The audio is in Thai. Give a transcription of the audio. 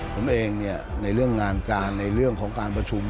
ผมเองในเรื่องงานการในเรื่องของการประชุม